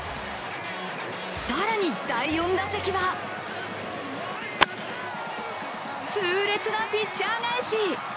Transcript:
更に第４打席は痛烈なピッチャー返し！